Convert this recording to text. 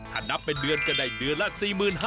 ถ้านับเป็นเดือนก็ได้เดือนละ๔๕๐๐